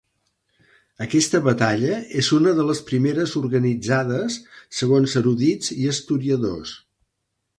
Aquesta batalla és una de les primeres organitzades segons erudits i historiadors.